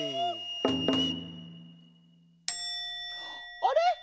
あれ？